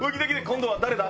今度は誰だ？